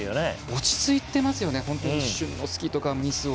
落ち着いていますよね。